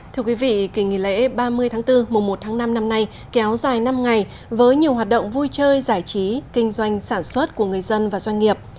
thưa quý vị kỳ nghỉ lễ ba mươi tháng bốn mùa một tháng năm năm nay kéo dài năm ngày với nhiều hoạt động vui chơi giải trí kinh doanh sản xuất của người dân và doanh nghiệp